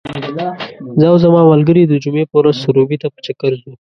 زه او زما ملګري د جمعې په ورځ سروبي ته په چکر ځو .